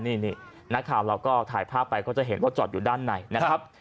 นี่นักข่าวเราก็ถ่ายภาพไปก็จะเห็นว่าจอดอยู่ด้านในนะครับ